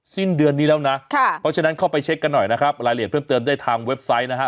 สิ้นเดือนนี้แล้วนะเพราะฉะนั้นเข้าไปเช็คกันหน่อยนะครับรายละเอียดเพิ่มเติมได้ทางเว็บไซต์นะฮะ